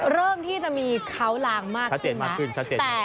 เริ่มที่จะมีเค้าลางมากขึ้นนะ